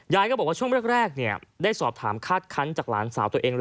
ก็บอกว่าช่วงแรกได้สอบถามคาดคันจากหลานสาวตัวเอง